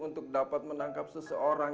untuk dapat menangkap seseorang